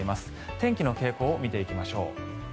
天気の傾向を見ていきましょう。